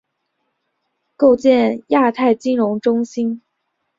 建构亚太金融中心